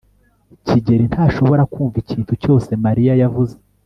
kigeri ntashobora kumva ikintu cyose mariya yavuze